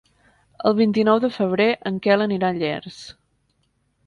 El vint-i-nou de febrer en Quel anirà a Llers.